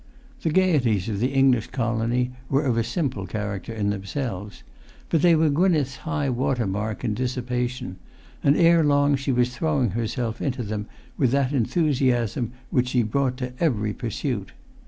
The gaieties of the English colony were of a simple character in themselves, but they were Gwynneth's high water mark in dissipation, and ere long she was throwing herself into them with that enthusiasm which she brought to every pursuit.